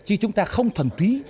chỉ chúng ta không thuần túy